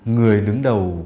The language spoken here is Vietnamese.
người đứng đầu